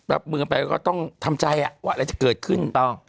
รับมือกันไปก็ต้องทำใจว่าอะไรจะเกิดขึ้น